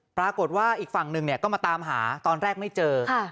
ปรากฏว่าอีกฝั่งหนึ่งเนี่ยก็มาตามหาตอนแรกไม่เจอ